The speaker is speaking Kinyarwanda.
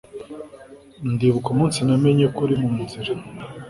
ndibuka umunsi namenye ko uri munzira